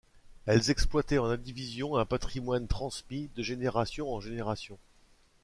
Elles exploitaient en indivision un patrimoine transmis de génération en génération.